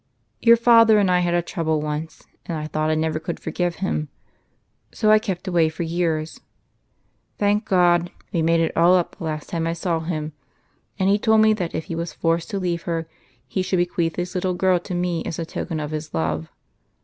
Your father and I had a trouble once, and I thought I never could forgive him ; so I kept away for years. Thank God, we made it all up the last time I saw him, and he told me then, that if he was forced to leave her he should bequeath his little girl to me as a token of his love.